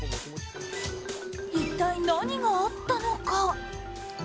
一体、何があったのか。